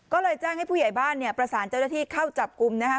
ก็เลยแจ้งให้ผู้ใหญ่บ้านเนี่ยประสานเจ้าหน้าที่เข้าจับกลุ่มนะฮะ